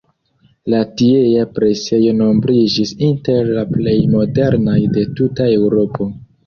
La tiea presejo nombriĝis inter la plej modernaj de tuta Eŭropo.